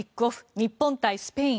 日本対スペイン。